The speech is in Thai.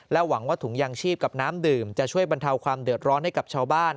หวังว่าถุงยางชีพกับน้ำดื่มจะช่วยบรรเทาความเดือดร้อนให้กับชาวบ้าน